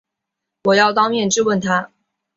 我要当面质问他